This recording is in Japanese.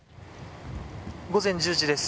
午前１０時です。